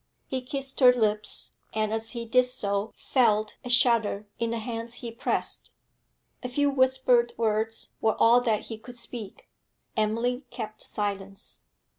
He kissed her lips, and, as he did so, felt a shudder in the hands he pressed. A few whispered words were all that he could speak; Emily kept silence.